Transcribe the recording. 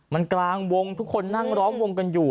มันกลางวงทุกคนนั่งร้องวงกันอยู่